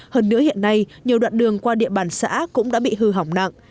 hơn nữa hiện nay nhiều đoạn đường qua địa bàn xã cũng đã bị hư hỏng nặng